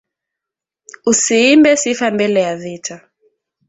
Usiimbe sifa mbele ya vita